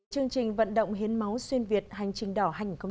chương trình vận động hiến máu xuyên việt hành trình đỏ hai nghìn một mươi chín